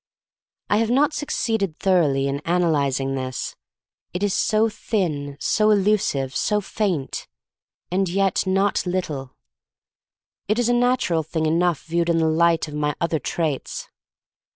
I have not succeeded thoroughly in analyzing this — it is so thin, so elusive, so faint — and yet not little. It is a nat ural thing enough viewed in the light of my other traits.